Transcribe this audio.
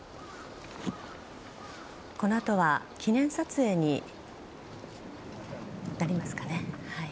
このあとは記念撮影になりますかね。